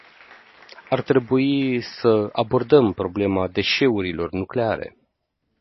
Ar trebui și să abordăm problema deșeurilor nucleare.